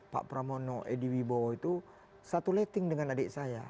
pak pramono edi wibowo itu satu letting dengan adik saya